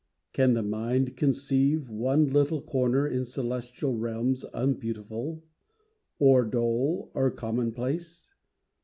Can the mind conceive One little corner in celestial realms Unbeautiful, or dull or commonplace?